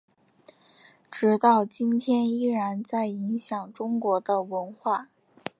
直到今天依然在影响中国的文化。